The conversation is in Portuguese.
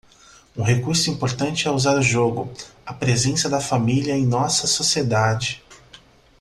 Um recurso importante é usar o jogo, a presença da família em nossa sociedade.